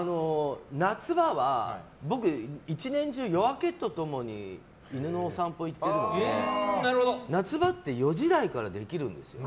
夏場は、僕１年中、夜明けと共に犬のお散歩行っているので夏場って４時台からできるんですよ。